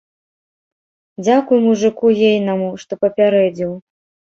Дзякуй мужыку ейнаму, што папярэдзіў.